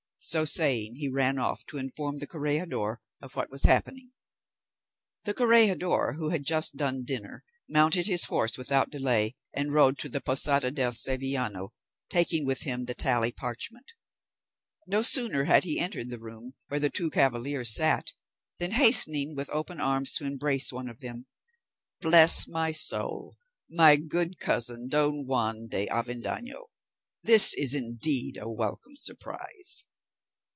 So saying, he ran off to inform the corregidor of what was happening. The corregidor, who had just done dinner, mounted his horse without delay, and rode to the Posada del Sevillano, taking with him the tally parchment. No sooner had he entered the room where the two cavaliers sat, than hastening with open arms to embrace one of them, "Bless my soul! my good cousin Don Juan de Avendaño! This is indeed a welcome surprise."